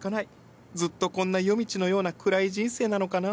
ずっとこんな夜道のような暗い人生なのかな。